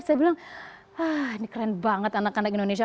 saya bilang wah ini keren banget anak anak indonesia